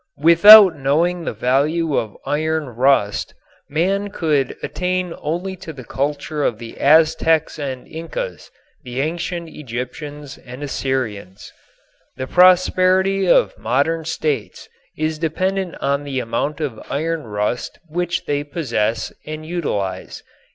Without knowing the value of iron rust man could attain only to the culture of the Aztecs and Incas, the ancient Egyptians and Assyrians. The prosperity of modern states is dependent on the amount of iron rust which they possess and utilize.